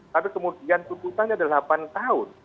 tapi kemudian tuntutannya delapan tahun